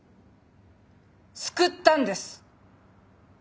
救ったんです。